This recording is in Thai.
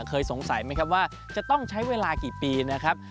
เคยสงสัยไหมครับว่าจะต้องใช้เวลากี่ปีนะครับ